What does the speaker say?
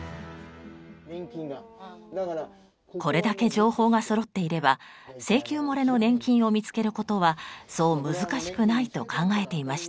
これだけ情報がそろっていれば請求もれの年金を見つけることはそう難しくないと考えていましたが。